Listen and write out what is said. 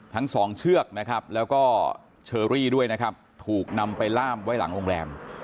ทั้งสองเชือกนะครับแล้วก็เชอรี่ด้วยนะครับถูกนำไปล่ามไว้หลังโรงแรม